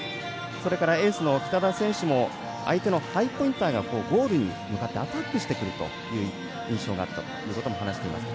それからエースの北田選手も相手のハイポインターがボールに向かってアタックしてくるという印象があったということも話しています。